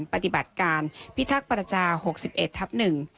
ปฏิบัติการพิทักษ์ประชา๖๑ทับ๑